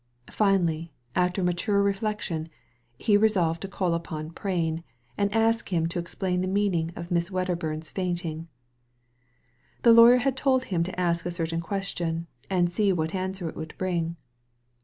Finally, after mature reflection, he resolved to call upon Prain, and ask him to explain the meaning of Miss Weddcrburn's fainting. The lawyer had told him to ask a certain question, and see what answer it would bring.